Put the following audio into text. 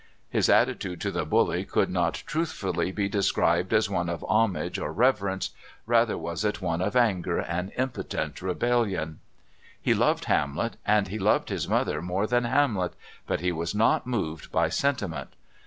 His attitude to the bully could not truthfully be described as one of homage or reverence; rather was it one of anger and impotent rebellion. He loved Hamlet, and he loved his mother more than Hamlet; but he was not moved by sentiment.